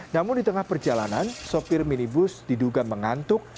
namun di tengah perjalanan sopir minibus diduga mengantuk